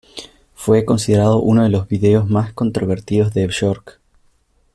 Fue considerado uno de los vídeos más controvertidos de Björk.